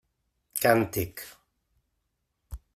Càntic.